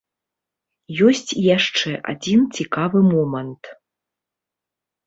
Ёсць і яшчэ адзін цікавы момант.